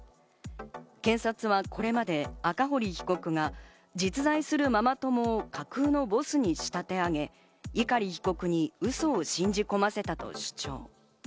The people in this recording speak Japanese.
検察はこれまで赤堀被告が実在するママ友を架空のボスに仕立て上げ、碇被告にウソを信じ込ませたと主張。